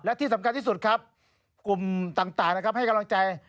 และที่สำคัญที่สุดครับกลุ่มต่างนะครับให้กำลังใจ